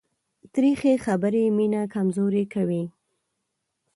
تریخې خبرې مینه کمزورې کوي.